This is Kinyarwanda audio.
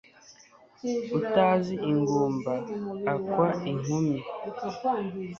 utazi ingumba akwa inkumi